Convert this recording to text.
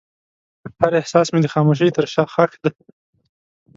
هر احساس مې د خاموشۍ تر شا ښخ دی.